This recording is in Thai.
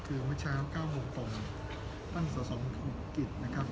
คือเมื่อเช้า๙โหวงตมตั้งในสอสอว่าคุณกิจนะครับ